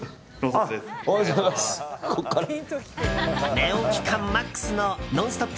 寝起き感マックスの「ノンストップ！」